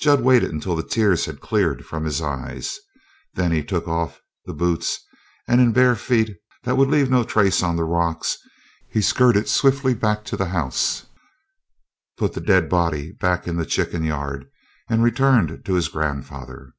Jud waited until the tears had cleared from his eyes. Then he took off the boots, and, in bare feet that would leave no trace on the rocks, he skirted swiftly back to the house, put the dead body back in the chicken yard, and returned to his grandfather.